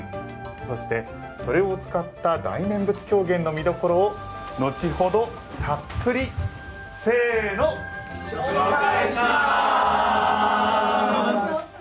そして、それを使った大念仏狂言の見どころを後ほどたっぷりせえの、紹介します！